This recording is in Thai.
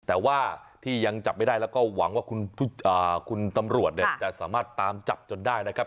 แต่ว่าที่ยังจับไม่ได้แล้วก็หวังว่าคุณตำรวจเนี่ยจะสามารถตามจับจนได้นะครับ